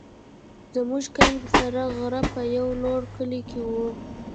زموږ کمپ د سره غره په یو لوړ کلي کې وو.